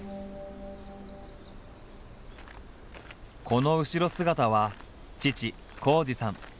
この後ろ姿は父紘二さん。